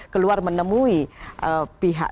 keluar menemui pihak